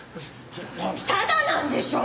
タダなんでしょう？